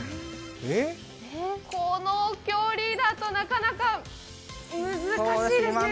この距離だとなかなか難しいですね。